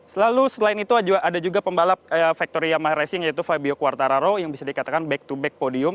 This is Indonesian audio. selalu selain itu ada juga pembalap victoriama racing yaitu fabio quartararo yang bisa dikatakan back to back podium